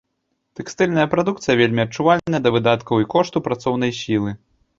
Тэкстыльная прадукцыя вельмі адчувальная да выдаткаў і кошту працоўнай сілы.